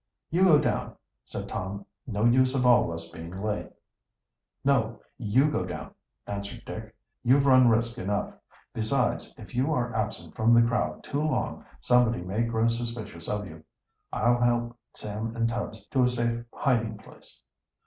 "You go down," said Tom. "No use of all of us being late." "No, you go down," answered Dick. "You've run risk enough. Besides, if you are absent from the crowd too long somebody may grow suspicious of you. I'll help Sam and Tubbs to a safe hiding place."